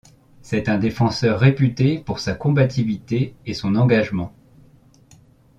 C'est un défenseur réputé pour sa combativité et son engagement.